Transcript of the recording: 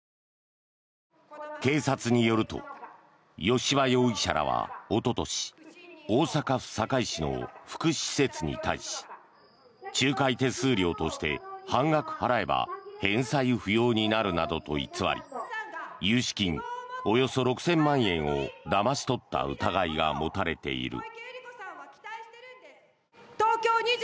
警察によると吉羽容疑者らはおととし大阪府堺市の福祉施設に対し仲介手数料として半額払えば返済不要になるなどと偽り融資金およそ６０００万円をだまし取った疑いが持たれている。